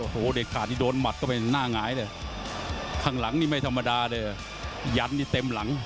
หมดยกที่หนึ่ง